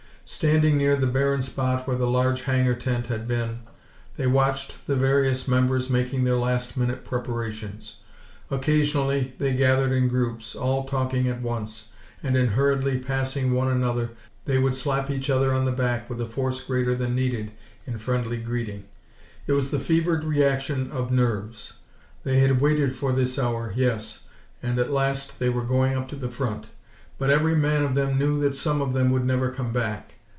Standing near the barren spot where the large hangar tent had been, they watched the various members making their last minute preparations. Occasionally they gathered in groups, all talking at once, and in hurriedly passing one another they would slap each other on the back with a force greater than needed in friendly greeting. It was the fevered reaction of nerves! They had waited for this hour, yes, and at last they were going up to the front; but every man of them knew that some of them would never come back.